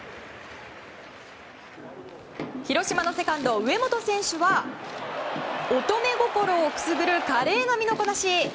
広島のセカンド、上本選手は乙女心をくすぐる華麗な身のこなし。